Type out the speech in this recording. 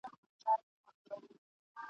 د خپل زړه درزا مي اورم !.